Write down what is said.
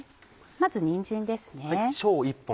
まずにんじんですね。